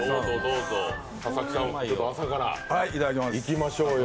佐々木さん、朝からいきましょうよ